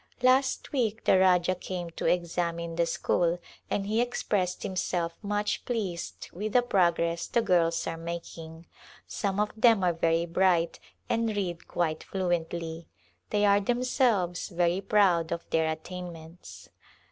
Last week the Rajah came to examine the school and he expressed himself much pleased with the prog ress the girls are making. Some of them are very bright and read quite fluently. They are themselves very proud of their attainments.